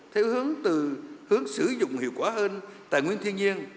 theo hướng từ hướng sử dụng hiệu quả hơn tài nguyên thiên nhiên